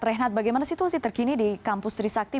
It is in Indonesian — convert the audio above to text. reinhardt bagaimana situasi terkini di kampus trisakti